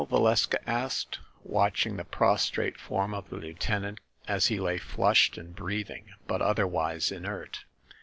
Valeska asked, watching the prostrate form of the lieutenant as he lay flushed and breathing, but otherwise inert.